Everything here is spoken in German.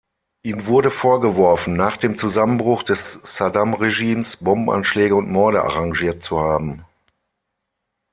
Ihm wurde vorgeworfen, nach dem Zusammenbruch des Saddam-Regimes Bombenanschläge und Morde arrangiert zu haben.